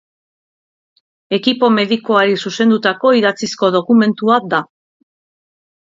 Ekipo medikoari zuzendutako idatzizko dokumentua da.